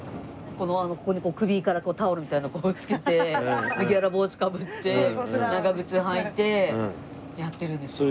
ここにこう首からタオルみたいのこうつけて麦わら帽子かぶって長靴履いてやってるんですよ。